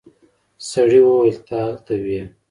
سړي وويل ته هلته وې.